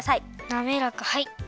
なめらかはい。